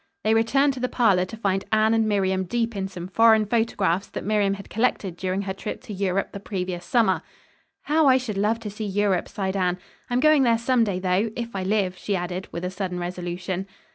They returned to the parlor to find Anne and Miriam deep in some foreign photographs that Miriam had collected during her trip to Europe the previous summer. "How I should love to see Europe," sighed Anne. "I'm going there some day, though, if I live," she added with a sudden resolution.